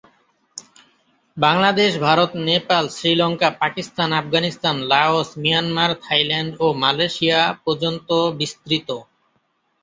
Bangladesh, Bharat, Nepal, Sri Lanka, Pakistan, Afghanistan, Laos, Myanmar, Thailand ও Malaysia পর্যন্ত বিস্তৃত।